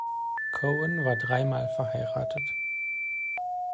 Cohen war drei Mal verheiratet.